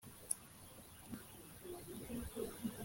ngiye kuvugira mu migani